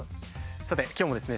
さて今日もですね